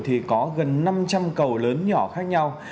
thì có gần năm trăm linh cầu lớn nhỏ khác nhau